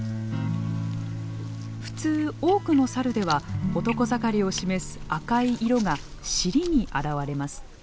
普通多くのサルでは男盛りを示す赤い色が尻に現れます。